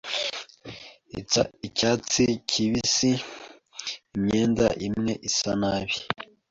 Icyatsi kibisi, imyenda imwe isa nabi